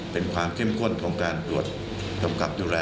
เป็นความเข้มข้นของการตรวจกำกับดูแล